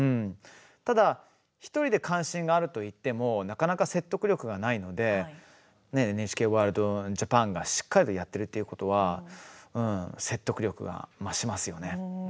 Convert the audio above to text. ただ１人で関心があると言ってもなかなか説得力がないのでＮＨＫワールドＪＡＰＡＮがしっかりとやっているということは説得力が増しますよね。